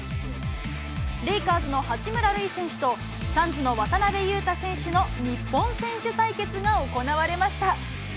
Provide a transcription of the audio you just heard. レイカーズの八村塁選手と、サンズの渡邊雄太選手の日本選手対決が行われました。